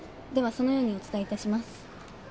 そのようにお伝えいたします。